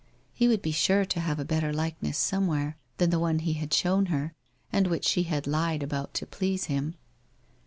He would be sure to have a better Likeness somewhere than the one he had shown her, and which she ha<l Lied about to please him?